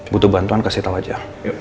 butuh bantuan kasih tahu aja